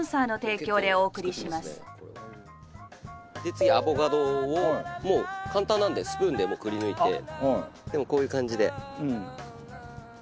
次アボカドをもう簡単なんでスプーンでくりぬいてこういう感じで。